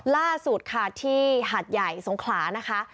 ล่าสุดค่ะที่หาดใหญ่สงขลานะคะ